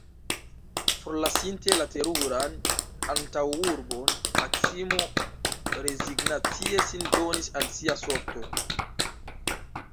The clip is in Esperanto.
Forlasinte la teruran antaŭurbon, Maksimo rezignacie sin donis al sia sorto.